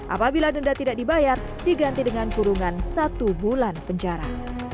apabila denda tidak dibayar diganti dengan kurungan satu bulan penjara